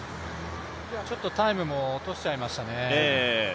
ちょっとタイムも落としちゃいましたね。